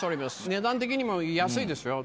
値段的にも安いですよ。